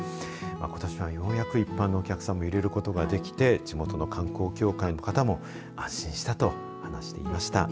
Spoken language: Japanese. ことしはようやく一般のお客さんも入れることができて地元の観光協会の方も安心したと話していました。